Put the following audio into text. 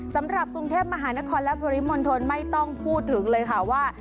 สำหรับกรุงเทพมหานครและปริมณฑลไม่ต้องพูดถึงเลยค่ะว่า